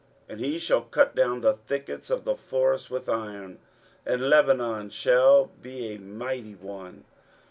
23:010:034 And he shall cut down the thickets of the forest with iron, and Lebanon shall fall by a mighty one.